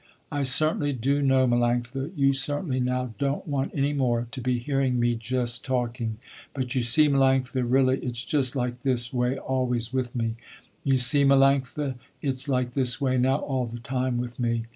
"I certainly do know, Melanctha, you certainly now don't want any more to be hearing me just talking, but you see, Melanctha, really, it's just like this way always with me. You see, Melanctha, its like this way now all the time with me.